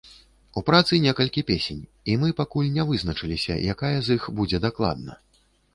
У працы некалькі песень, і мы пакуль не вызначыліся, якая з іх будзе дакладна.